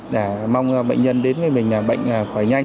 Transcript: để mong bệnh nhân đến với mình là bệnh khỏi nhanh